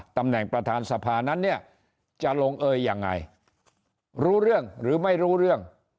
ตำแหน่งประธานสภานั้นเนี่ยจะลงเอยยังไงรู้เรื่องหรือไม่รู้เรื่อง